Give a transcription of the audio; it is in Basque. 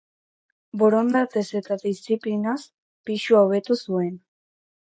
Borondatez eta diziplinaz, pisua hobetu zuen.